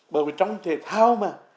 bởi vì trong thể thao mà